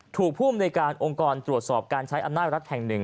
ภูมิในการองค์กรตรวจสอบการใช้อำนาจรัฐแห่งหนึ่ง